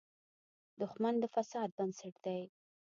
دښمن د فساد بنسټ دی